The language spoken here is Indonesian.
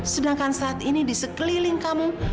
sedangkan saat ini di sekeliling kamu